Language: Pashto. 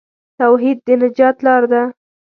توحید د نجات لار ده.